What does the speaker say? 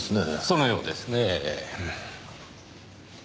そのようですねぇ。